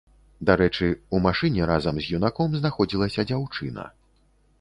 Дарэчы, у машыне разам з юнаком знаходзілася дзяўчына.